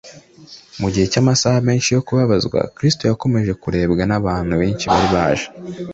mu gihe cy’amasaha menshi yo kubabazwa, kristo yakomeje kurebwa n’abantu benshi bari baje